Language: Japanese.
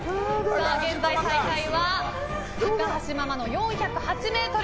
現在最下位は高橋ママの４０８ｍ。